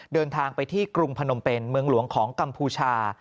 เดินทางไปที่กรุงพนมเป็นเมืองหลวงของกัมพูชา